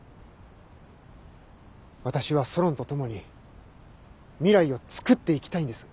私はソロンと共に未来を創っていきたいんです。